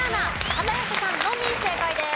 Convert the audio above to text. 片寄さんのみ正解です。